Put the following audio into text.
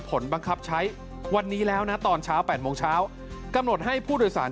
ผลบังคับใช้วันนี้แล้วนะตอนเช้า๘โมงเช้ากำหนดให้ผู้โดยสาร